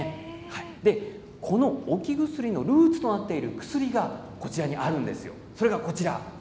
この置き薬のルーツとなっている薬があるんです。